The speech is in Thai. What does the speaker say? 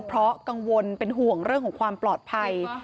เพราะกังวลเป็นห่วงเรื่องของความปลอดภัย